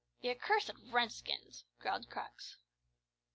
"The accursed Redskins!" growled Crux.